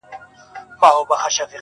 هم په پام کې ساتي